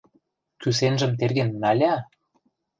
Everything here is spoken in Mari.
— Кӱсенжым терген нал-я!